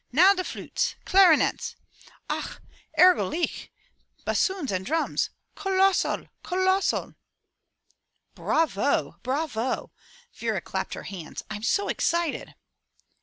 Now the flutes! Clarinets! Ach ergoiz Itch — bassoons and drums. Kolossal! Kolossal!'* "Bravo! Bravo! " Vera clapped her hands. '' Fm so excited."